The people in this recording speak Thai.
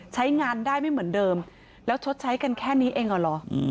ใช้งานได้ไม่เหมือนเดิมแล้วชดใช้กันแค่นี้เองเหรอ